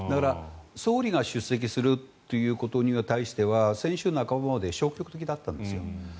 総理が出席するということに対しては先週半ばまで消極的だったんです。